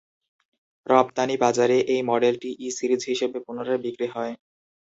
রপ্তানি বাজারে এই মডেলটি ই-সিরিজ হিসেবে পুনরায় বিক্রি হয়।